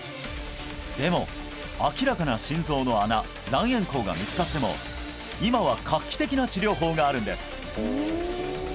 でも明らかな心臓の穴卵円孔が見つかっても今は画期的な治療法があるんです